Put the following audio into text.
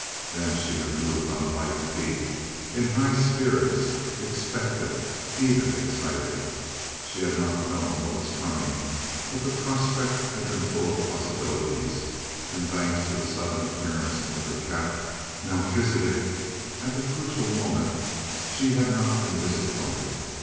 Then she had moved on light feet, in high spirits, expectant, even excited. She had not known what was coming, but the prospect had been full of possibilities; and, thanks to the sudden appearance of the cat Melchisidec at the crucial moment, she had not been disappointed.